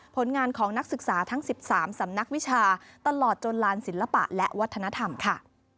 ผลงานของนักศึกษาทั้ง๑๓สำนักวิชาตลอดจนลานศิลปะและวัฒนธรรมค่ะ